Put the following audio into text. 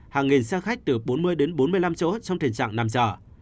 hàng nghìn xe khách từ bốn mươi đến bốn mươi năm chỗ trong tình trạng nằm dở